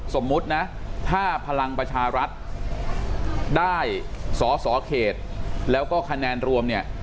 สมมุตินะถ้าพลังประชารัฐได้สอสอเขตแล้วก็คะแนนรวมเนี่ย